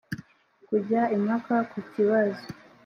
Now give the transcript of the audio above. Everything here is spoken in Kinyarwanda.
kujya impaka ku kibazo